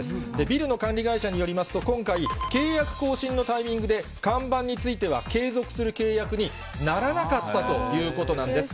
ビルの管理会社によりますと、今回、契約更新のタイミングで、看板については継続する契約にならなかったということなんです。